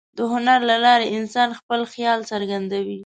د هنر له لارې انسان خپل خیال څرګندوي.